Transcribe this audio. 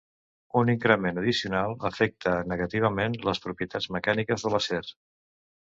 Un increment addicional afecta negativament les propietats mecàniques de l'acer.